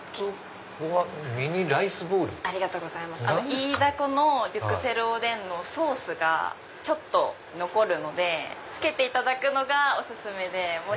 イイダコのデュクセルおでんのソースがちょっと残るのでつけていただくのがお薦めで。